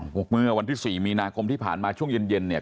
เมื่อวันที่๔มีนาคมที่ผ่านมาช่วงเย็นเนี่ย